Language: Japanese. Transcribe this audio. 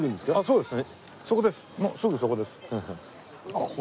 そうです。